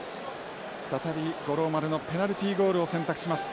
再び五郎丸のペナルティーゴールを選択します。